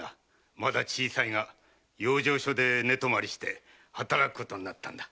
まだ小さいが養生所で寝泊まりして働くことになったのだ。